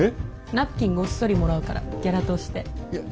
ナプキンごっそりもらうからギャラとして。